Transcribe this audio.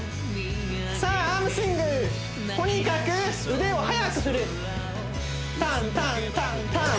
さあアームスイングとにかく腕を速く振るタンタンタンタン！